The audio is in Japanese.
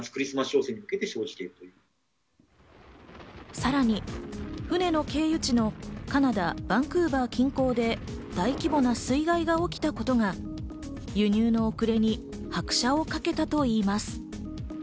さらに船の経由地のカナダ・バンクーバー近郊で大規模な水害が起きたことが輸入の遅れに拍車をかけたといいます。